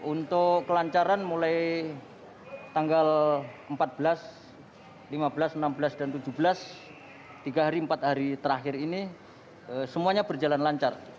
untuk kelancaran mulai tanggal empat belas lima belas enam belas dan tujuh belas tiga hari empat hari terakhir ini semuanya berjalan lancar